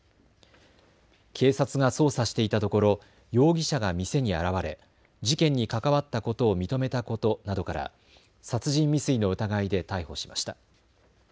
警察が捜査していたところ容疑者が店に現れ事件に関わったことを認めたことなどから殺人未遂の疑いで逮捕しました。